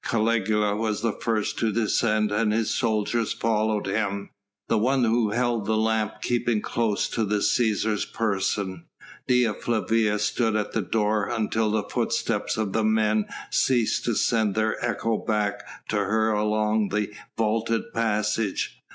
Caligula was the first to descend and his soldiers followed him; the one who held the lamp keeping close to the Cæsar's person. Dea Flavia stood at the door until the footsteps of the men ceased to send their echo back to her along the vaulted passage.